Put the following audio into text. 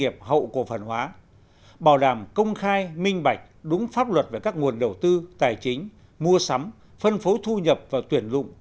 pháp luật về các nguồn đầu tư tài chính mua sắm phân phối thu nhập và tuyển lụng